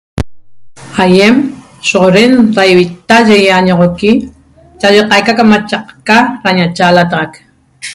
Aiem choxoren da avitta ye iñoxoqui cha ca aica qa camchaca da ñachalatexaq